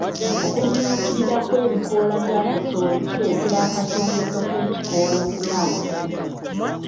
Okumyukirira kw'ebikoola bya kasooli kireetera akasongezo k'ekikoola okukala.